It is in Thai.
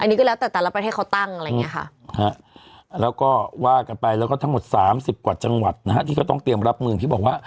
อันนี้ก็แล้วแต่แต่ละประเทศเขาตั้งอะไรอย่างเงี้ยค่ะครับแล้วก็วาดกันไปแล้วก็ทั้งหมดสามสิบกว่าจังหวัดนะฮะ